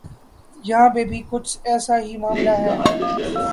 یہاں پہ بھی کچھ ایسا ہی معاملہ ہے۔